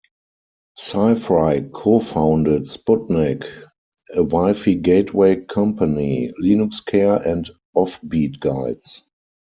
Sifry cofounded Sputnik, a Wi-Fi gateway company, Linuxcare, and Offbeat Guides.